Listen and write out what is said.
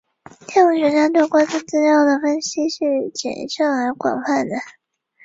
天文学家对观测资料的分析是谨慎而广泛的。